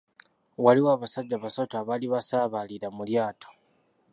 Waaliwo abasajja basatu abaali basaabalira mu lyato.